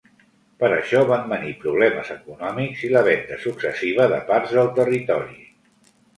Per això van venir problemes econòmics i la venda successiva de parts del territori.